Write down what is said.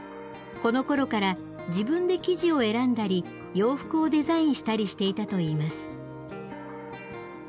このころから自分で生地を選んだり洋服をデザインしたりしていたといいます。